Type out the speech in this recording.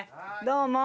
どうも。